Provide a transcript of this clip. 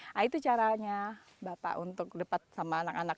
nah itu caranya bapak untuk dapat sama anak anak